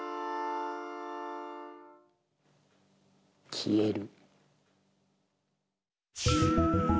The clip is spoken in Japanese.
消える。